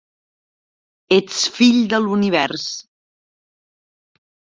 Ets fill de l'univers